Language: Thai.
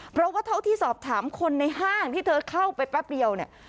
เพราะว่าเท่าที่สอบถามคนในห้างที่เธอเข้าไปแป๊บเดียวเนี่ย